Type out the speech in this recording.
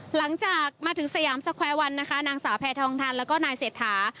หลังจากมาถึงสยามสแควร์วันนะคะนางสาวแพทองทันแล้วก็นายเศรษฐา